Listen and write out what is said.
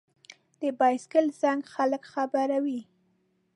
د بایسکل زنګ خلک خبروي.